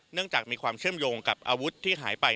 จากมีความเชื่อมโยงกับอาวุธที่หายไป